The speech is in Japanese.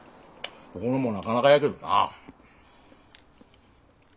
ここのもなかなかやけどな。